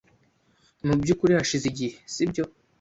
Mubyukuri hashize igihe, sibyo?